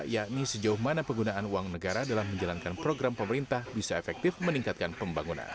yakni sejauh mana penggunaan uang negara dalam menjalankan program pemerintah bisa efektif meningkatkan pembangunan